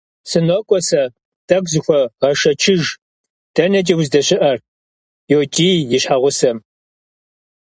- СынокӀуэ сэ, тӀэкӀу зыхуэгъэшэчыж, дэнэкӀэ уздэщыӀэр? - йокӀий и щхьэгъусэм.